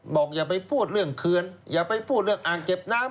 อย่าไปพูดเรื่องเคือนอย่าไปพูดเรื่องอ่างเก็บน้ำ